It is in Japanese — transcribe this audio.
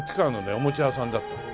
おもちゃ屋さんだったの。